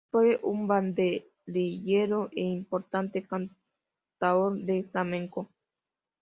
Fue un banderillero e importante cantaor de flamenco.